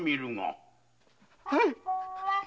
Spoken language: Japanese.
はい。